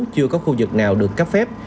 chưa có khu vực nào được cấp phép